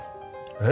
えっ？